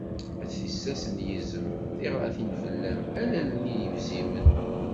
A tissas n yizem, tiɣratin fell-am, a lal n yebzimen.